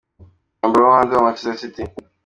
Umwambaro wo hanze wa Manchester City